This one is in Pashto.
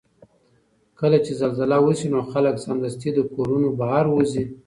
کله چې زلزله وشي نو خلک سمدستي له کورونو بهر وځي.